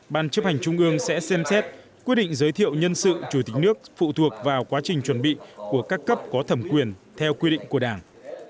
ban chấp hành trung ương sẽ xem xét quyết định giới thiệu nhân sự chủ tịch nước phụ thuộc vào quá trình chuẩn bị của các cấp có thẩm quyền theo quy định của đảng